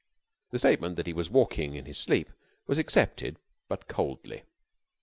The statement that he was walking in his sleep was accepted, but coldly.